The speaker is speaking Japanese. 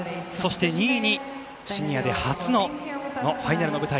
２位にシニアで初のファイナルの舞台